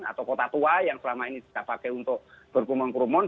atau kota tua yang selama ini tidak pakai untuk berkumungkrumun